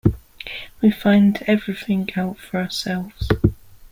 We find everything out for ourselves.